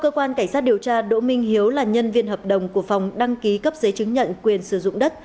cơ quan cảnh sát điều tra đỗ minh hiếu là nhân viên hợp đồng của phòng đăng ký cấp giấy chứng nhận quyền sử dụng đất